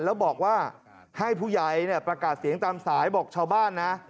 แล้วบอกว่าให้ผู้ใหญ่ประกาศเสียงตามสายบอกชาวบ้านนะ